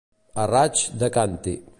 A raig de càntir.